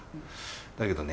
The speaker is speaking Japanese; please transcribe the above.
だけどね